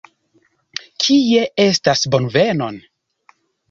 Kie estas bonvenon?